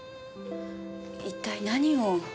一体何を？